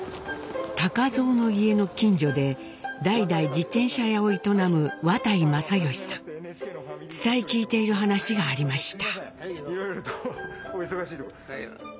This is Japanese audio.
蔵の家の近所で代々自転車屋を営む伝え聞いている話がありました。